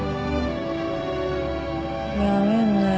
辞めんなよ